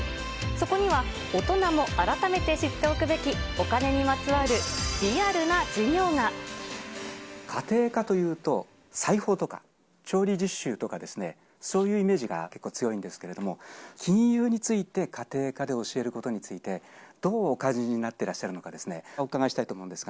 そこには大人も改めて知っておくべきお金にまつわるリアルな授業家庭科というと、裁縫とか、調理実習とか、そういうイメージが結構強いんですけれども、金融について家庭科で教えることについて、どうお感じになっていらっしゃるのか、お伺いしたいと思うんです